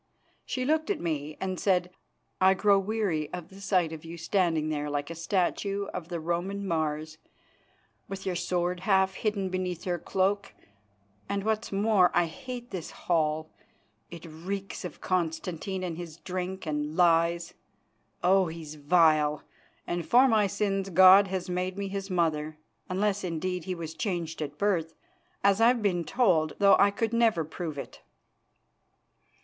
She looked at me and said: "I grow weary of the sight of you standing there like a statue of the Roman Mars, with your sword half hid beneath your cloak; and, what's more, I hate this hall; it reeks of Constantine and his drink and lies. Oh! he's vile, and for my sins God has made me his mother, unless, indeed, he was changed at birth, as I've been told, though I could never prove it.